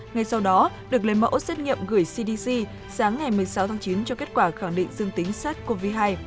ngay sau đó được lấy mẫu tiết nghiệm gửi cdc sáng ngày một mươi sáu tháng chín cho kết quả nghi ngờ dương tính sars cov hai